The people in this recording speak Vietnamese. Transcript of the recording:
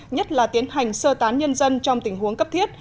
nhất là tiến hành sơ tán nhân dân trong tình huống cấp thiết